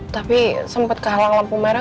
tapi sempet kalang lampu merah